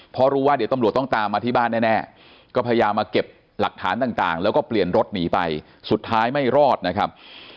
เพราะรู้ว่าเดี๋ยวตำรวจต้องตามมาที่บ้านแน่ก็พยายามมาเก็บหลักฐานต่างแล้วก็เปลี่ยนรถหนีไปสุดท้ายไม่รอดนะครับ